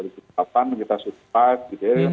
kita susah gitu ya